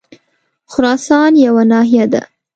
خراسان یوه ناحیه ده.